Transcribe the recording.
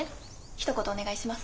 ひと言お願いします。